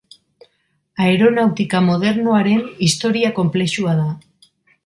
Aeronautika modernoaren historia konplexua da.